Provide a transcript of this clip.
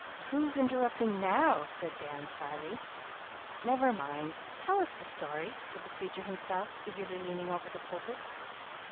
"Who's interrupting now?" aid Dan slyly. "Never mind, tell us the story," said the preacher himself, eagerly leaning over the pulpit.